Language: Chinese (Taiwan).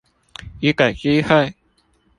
一個機會